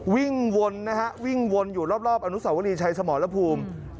วิ่งวนนะฮะวิ่งวนอยู่รอบอนุสาวรีชัยสมรภูมิ